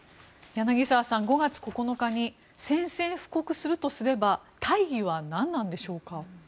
柳澤さん５月９日に宣戦布告するとすれば大義は何なんでしょうか。